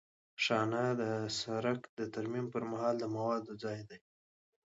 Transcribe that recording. شانه د سرک د ترمیم پر مهال د موادو ځای دی